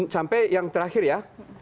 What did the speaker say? sampai yang terakhir ya